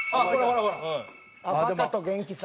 「バカと元気さ」